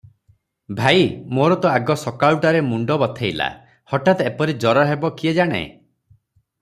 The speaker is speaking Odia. "ଭାଇ! ମୋର ତ ଆଗ ସକାଳୁଟାରୁ ମୁଣ୍ଡ ବଥେଇଲା; ହଠାତ୍ ଏପରି ଜର ହେବ କିଏ ଜାଣେ?